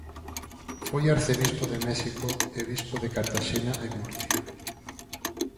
Foi arcebispo de México e bispo de Cartaxena e Murcia.